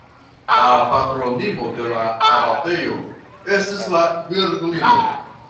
La patronino de la abatejo estis la Virgulino.